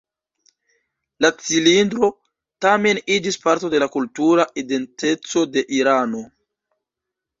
La cilindro, tamen, iĝis parto de la kultura identeco de Irano.